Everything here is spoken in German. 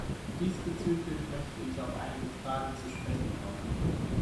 Diesbezüglich möchte ich auf einige Fragen zu sprechen kommen.